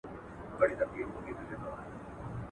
ولي افغان سوداګر کرنیز ماشین الات له ازبکستان څخه واردوي؟